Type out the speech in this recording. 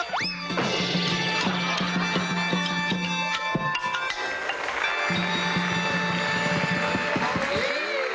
ขอบคุณครับครับ